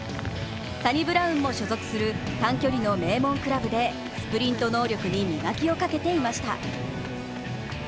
サニブラウンも所属する短距離の名門クラブでスプリント能力に磨きをかけていました。